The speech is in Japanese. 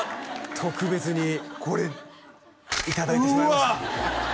特別にいただいてしまいましたうわっ！